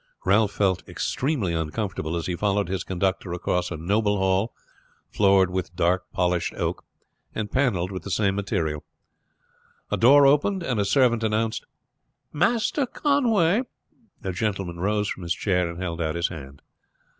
Ralph felt extremely uncomfortable as he followed his conductor across a noble hall, floored with dark polished oak, and paneled with the same material. A door opened, and a servant announced "Master Conway." A gentleman rose from his chair and held out his hand.